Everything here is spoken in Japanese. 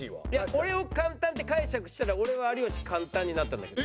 俺を簡単って解釈したら俺は有吉簡単になったんだけど。